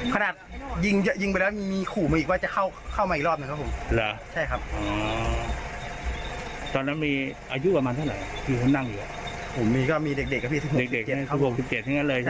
ผมก็มีเด็กกับพี่๑๖๑๗นั่นเลย